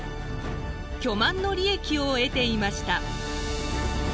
巨万の利益を得ていました。